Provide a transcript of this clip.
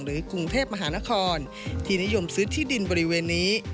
กรุงเทพมหานครที่นิยมซื้อที่ดินบริเวณนี้